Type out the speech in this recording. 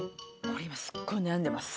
これ今すっごい悩んでます。